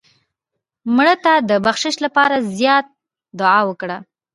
مړه ته د بخشش لپاره زیات دعا وکړه